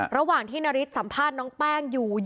ระหว่างที่นาริสสัมภาษณ์น้องแป้งอยู่